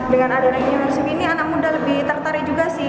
dengan adanya gamership ini anak muda lebih tertarik juga sih